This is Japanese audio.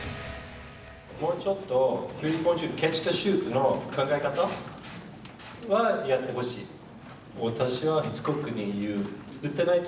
もうちょっとスリーポイントシュートの考え方は、やってほしい。